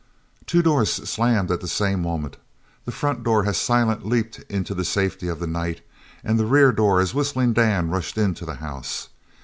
Two doors slammed at the same moment the front door as Silent leaped into the safety of the night, and the rear door as Whistling Dan rushed into the house.